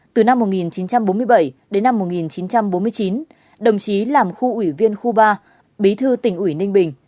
từ năm một nghìn chín trăm bốn mươi bảy đến năm một nghìn chín trăm bốn mươi chín đồng chí làm khu ủy viên khu ba bí thư tỉnh ủy ninh bình